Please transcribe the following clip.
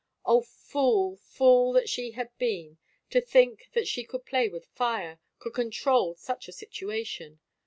Oh, fool, fool that she had been, to think that she could play with fire, could control such a situation!